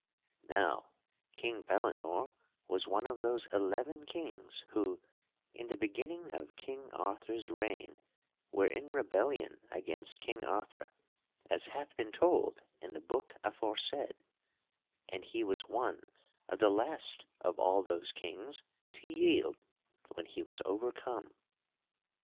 Now, King Pellinore was one of those eleven kings who, in the beginning of King Arthur's reign, were in rebellion against King Arthur as hath been told in the book aforesaid, and he was one of the last of all those kings to yield when he was overcome.